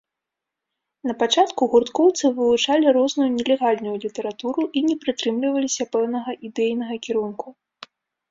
Напачатку гурткоўцы вывучалі розную нелегальную літаратуру і не прытрымліваліся пэўнага ідэйнага кірунку.